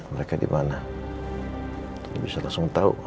apalagi sih papa epicin pindek air cukup itas ipin